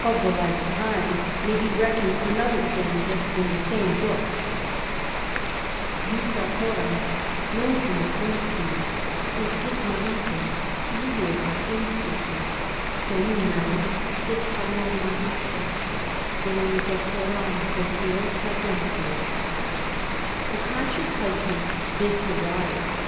Of tt»^ like kind may be reckoned another stanza in the san^^ book: — Jussa coram non sine conscio Surgit marito, seu vocat institor Seu navis Hispanae magister Dedecorum prctiosus emptor, '* The conscious husband bids her rise.